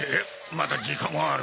まだ時間はある。